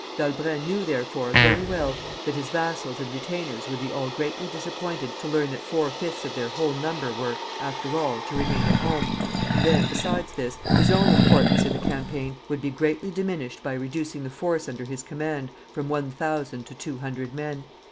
D'Albret knew, therefore, very well, that his vassals and retainers would be all greatly disappointed to learn that four fifths of their whole number were, after all, to remain at home, and then, besides this, his own importance in the campaign would be greatly diminished by reducing the force under his command from one thousand to two hundred men.